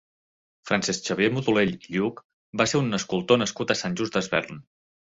Francesc Xavier Modolell i Lluch va ser un escultor nascut a Sant Just Desvern.